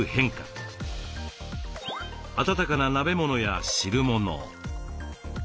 温かな鍋物や汁物。